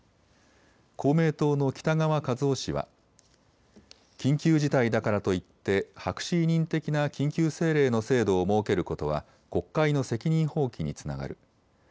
公明党の北側一雄氏は緊急事態だからといって白紙委任的な緊急政令の制度を設けることは国会の責任放棄につながる。